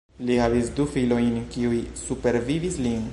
Li havis du filojn kiuj supervivis lin.